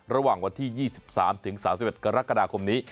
ระหว่างวันที่๒๓๓๑กรกฎาคมนี้